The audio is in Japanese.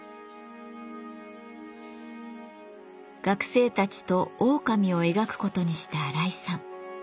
学生たちとオオカミを描くことにした荒井さん。